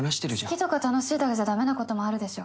好きとか楽しいだけじゃだめなこともあるでしょ。